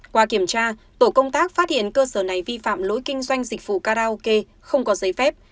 qua kiểm tra tổ công tác phát hiện cơ sở này vi phạm lỗi kinh doanh dịch vụ karaoke không có giấy phép